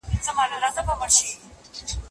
محصلین اکثره د کتابتون له څېړني کار اخلي.